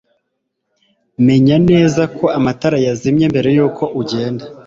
menya neza ko amatara yazimye mbere yuko ugenda